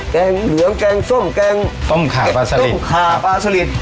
แกงเหลืองแกงส้มแกงต้มขาปลาสลิด